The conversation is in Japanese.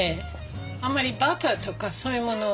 あんまりバターとかそういうもの